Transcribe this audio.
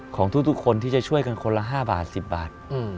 ของทุกคนที่จะช่วยกันคนละ๕บาท๑๐บาท